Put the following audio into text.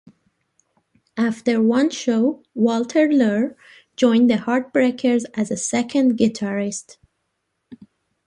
After one show, Walter Lure joined the Heartbreakers as a second guitarist.